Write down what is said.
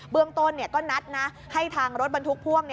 เรื่องต้นก็นัดนะให้ทางรถบรรทุกพ่วง